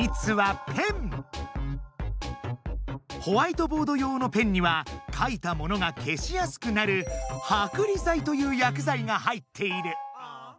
ホワイトボード用のペンにはかいたものが消しやすくなるはくり剤という薬剤が入っている。